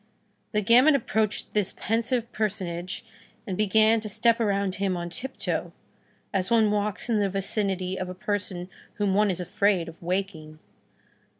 The gamin approached this pensive personage, and began to step around him on tiptoe, as one walks in the vicinity of a person whom one is afraid of waking.